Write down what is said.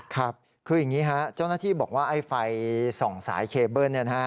ครับคืออย่างนี้ฮะเจ้าหน้าที่บอกว่าไอ้ไฟส่องสายเคเบิ้ล